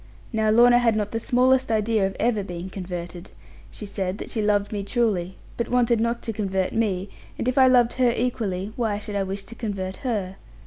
Now Lorna had not the smallest idea of ever being converted. She said that she loved me truly, but wanted not to convert me; and if I loved her equally, why should I wish to convert her?